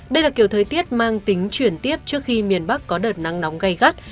đây là kiểu thời tiết mang tính chuyển tiếp trước khi miền bắc có đợt nắng nóng gây gắt